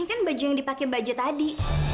ini kan baju yang dipake mbak j tadi